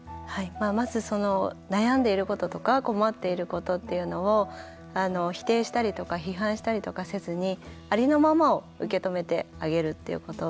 まず、悩んでいることとか困っていることっていうのを否定したりとか批判したりとかせずにありのままを受け止めてあげるっていうこと。